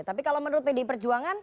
tapi kalau menurut pdi perjuangan